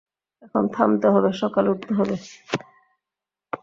এখন থামতে হবে, সকালে উঠতে হবে।